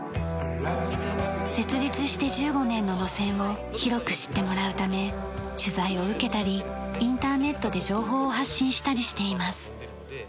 設立して１５年の路線を広く知ってもらうため取材を受けたりインターネットで情報を発信したりしています。